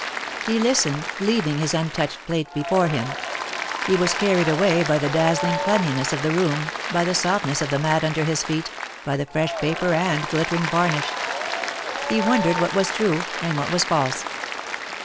He listened, leaving his untouched plate before Iiim. He was carried away by the dazzling cleanliness of the room, by the softness of the mat under his feet, by the fresh paper and glittering varnish. He wondered what was true, and what was false.